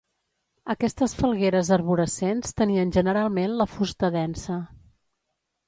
Aquestes falgueres arborescents tenien generalment la fusta densa.